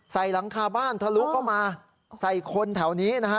หลังคาบ้านทะลุเข้ามาใส่คนแถวนี้นะฮะ